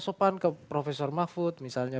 sopan ke profesor mahfud misalnya